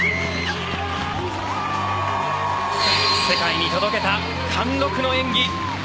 世界に届けた貫禄の演技。